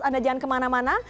anda jangan kemana mana